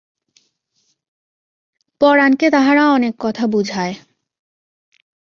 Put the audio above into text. পরাণকে তাহারা অনেক কথা বুঝায়।